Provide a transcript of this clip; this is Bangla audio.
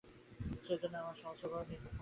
সে-জন্য আমি সহস্রবার তাঁর নিকট ক্ষমা চাইছি।